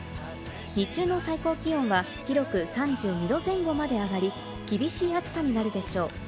日中の最高気温は広く３２度前後まで上がり、厳しい暑さになるでしょう。